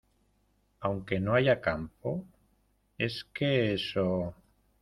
aunque no haya campo? es que eso